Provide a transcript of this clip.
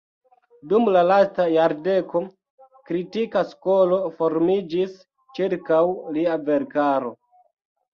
Dum la lasta jardeko kritika skolo formiĝis ĉirkaŭ lia verkaro.